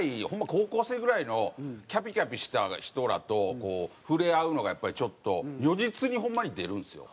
高校生ぐらいのキャピキャピした人らと触れ合うのがやっぱりちょっと如実にホンマに出るんですよ